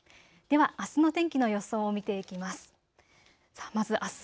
では、あすの天気の予想を見ていきます。